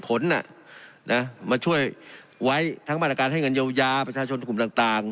ผลน่ะนะมาช่วยไว้ทั้งมาตรการให้เงินเยาว์ยาประชาชนกลุ่มต่างต่าง